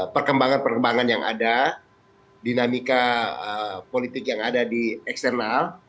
perkembangan perkembangan yang ada dinamika politik yang ada di eksternal